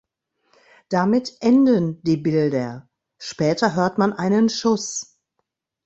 Damit enden die Bilder, später hört man einen Schuss.